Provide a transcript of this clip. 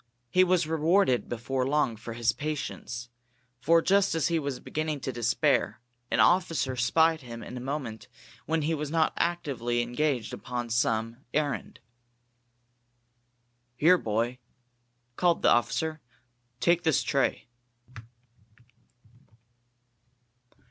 He was rewarded before long for his patience, for just as he was beginning to despair, an officer spied him in a moment when he was not actively engaged upon some errand. "Here, boy," called the officer, "take this tray!"